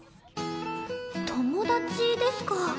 友達ですか。